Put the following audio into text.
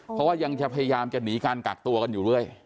เพราะว่ายังจะพยายามจะหนีการกักตัวกันอยู่เรื่อย